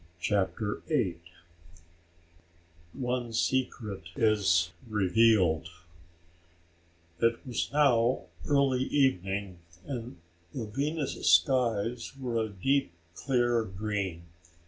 CHAPTER EIGHT One Secret is Revealed It was now early evening and the Venus skies were a deep clear green.